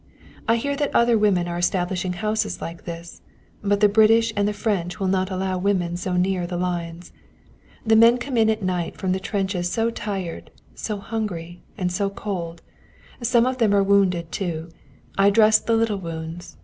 I hear that other women are establishing houses like this, but the British and the French will not allow women so near the lines. The men come in at night from the trenches so tired, so hungry and so cold. Some of them are wounded too. I dress the little wounds.